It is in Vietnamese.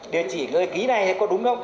địa chỉ người ký này có đúng không